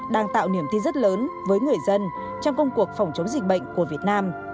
đang tạo niềm tin rất lớn với người dân trong công cuộc phòng chống dịch bệnh của việt nam